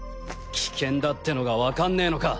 危険だってのがわかんねえのか！？